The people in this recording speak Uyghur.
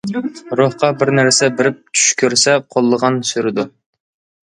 روھقا بىر نەرسە بېرىپ چۈش كۆرسە قوللىغان سۈرىدۇر.